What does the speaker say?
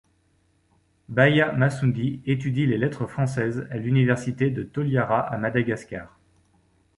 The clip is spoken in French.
Bahia Massoundi étudie les lettres françaises à l'université de Toliara à Madagascar.